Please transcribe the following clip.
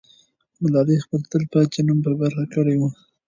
ملالۍ خپل تل پاتې نوم په برخه کړی وو.